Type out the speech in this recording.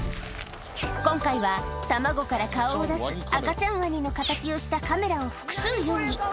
今回は卵から顔を出す赤ちゃんワニの形をしたカメラを複数用意